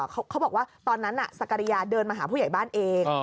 เขาบอกว่าตอนนั้นสกริยาเดินมาหาผู้ใหญ่บ้านเอง